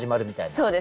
そうです。